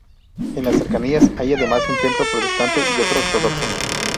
En las cercanías hay además un templo protestante y otro ortodoxo.